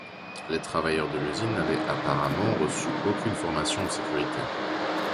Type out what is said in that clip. Les travailleurs de l'usine n'avaient apparemment reçu aucune formation en sécurité.